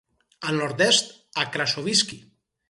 Al nord-est a Krasovskiy.